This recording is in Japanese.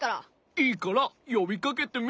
いいからよびかけてみ？